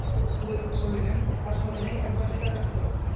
উদয়াদিত্য কহিলেন, আর সময় নাই, একবার পিতার কাছে যাও।